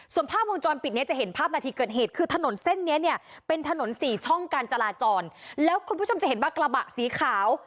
ส่วนภาพวงจรปิดเนี้ยจะเห็นภาพนาทีเกิดเหตุคือถนนเส้นนี้เนี่ยเป็นถนนสี่ช่องการจราจรแล้วคุณผู้ชมจะเห็นว่ากระบะสีขาว